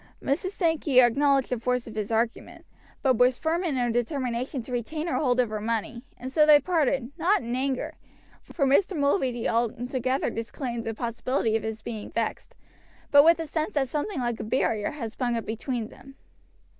Mrs. Sankey acknowledged the force of his argument, but was firm in her determination to retain her hold of her money, and so they parted, not in anger, for Mr. Mulready altogether disclaimed the possibility of his being vexed, but with the sense that something like a barrier had sprung up between them.